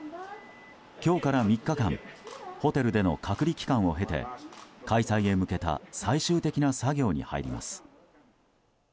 今日から３日間ホテルでの隔離期間を経て開催へ向けた最終的な作業に入ります。